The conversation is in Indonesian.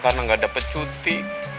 karena gak dapet cuti